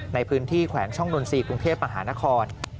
ในพื้นที่แขวงช่องนนทรีย์กรุงเทพมหานคร